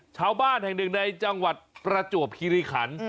ชาวบ้านแห่งหนึ่งในจังหวัดประจวบคิริขัน